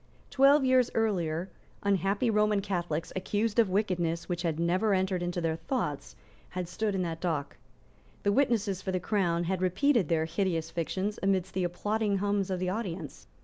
Twelve years earlier, unhappy Roman Catholics, accused of wickedness which had never entered into their thoughts, had stood in that dock. The witnesses for the Crown had repeated their hideous fictions amidst the applauding hums of the audience.